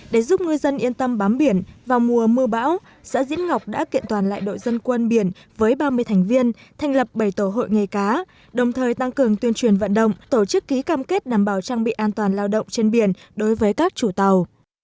để giúp ngư dân yên tâm bám biển vào mùa mưa bão xã diễn ngọc đã kiện toàn lại đội dân quân biển với ba mươi thành viên thành lập bảy tổ hội nghề cá đồng thời tăng cường tuyên truyền vận động tổ chức ký cam kết đảm bảo trang bị an toàn lao động trên biển đối với các chủ tàu